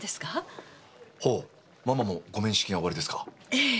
ええ。